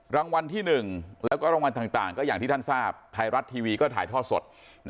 รางวัลที่๑แล้วก็รางวัลต่างก็อย่างที่ท่านทราบไทยรัฐทีวีก็ถ่ายทอดสด